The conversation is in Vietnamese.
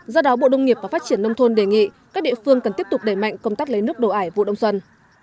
do đó bộ đông nghiệp và phát triển nông thôn đề nghị các địa phương cần tiếp tục đẩy mạnh công tác lấy nước đồ ải vụ đông xuân